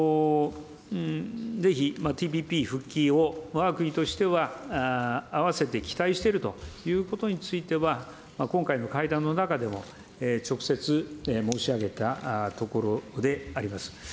ぜひＴＰＰ復帰を、わが国としてはあわせて期待しているということについては、今回の会談の中でも直接申し上げたところであります。